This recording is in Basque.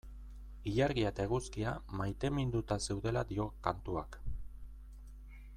Ilargia eta eguzkia maiteminduta zeudela dio kantuak.